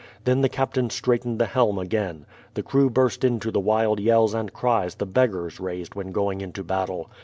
Then the captain straightened the helm again. The crew burst into the wild yells and cries the beggars raised when going into battle.